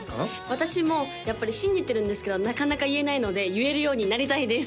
私もやっぱり信じてるんですけどなかなか言えないので言えるようになりたいです！